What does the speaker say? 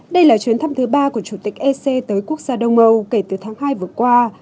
đây là chuyến thăm thứ ba của chủ tịch ec tới quốc gia đông âu kể từ tháng hai vừa qua